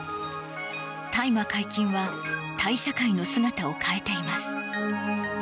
大麻解禁はタイ社会の姿を変えています。